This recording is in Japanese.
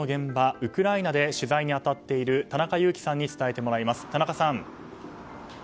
ウクライナで取材に当たっている田中雄気さんに伝えてもらいます。